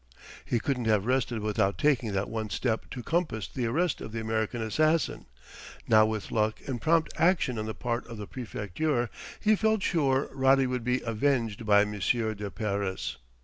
He couldn't have rested without taking that one step to compass the arrest of the American assassin; now with luck and prompt action on the part of the Préfecture, he felt sure Roddy would be avenged by Monsieur de Paris....